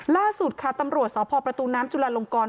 ล่าสุดค่ะตำรวจสพประตูน้ำจุลาลงกร